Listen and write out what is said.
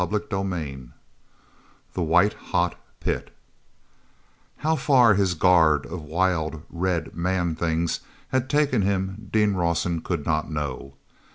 CHAPTER XI The White Hot Pit ow far his guard of wild, red man things had taken him Dean Rawson could not know.